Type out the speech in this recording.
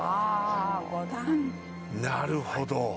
なるほど。